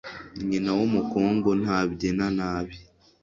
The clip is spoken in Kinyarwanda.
Nyina w’umukungu ntabyina nabi.